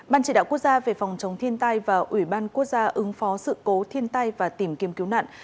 ban chỉ đạo quốc gia về phòng chống thiên tai và ủy ban quốc gia ứng phó sự cố thiên tai và tìm kiếm cứu nạn